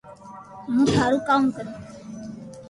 ھون ٿاري ڪاو ڪرو